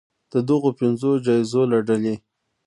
د دغو پنځو جایزو له ډلې